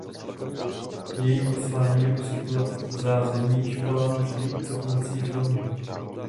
Jejím posláním je poskytovat zázemí školám při výuce pomocí filmů.